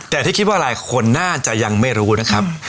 แต่ที่คิดว่าหลายคนน่าจะยังไม่รู้นะครับ